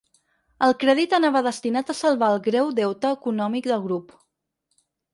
El crèdit anava destinat a salvar el greu deute econòmic del grup.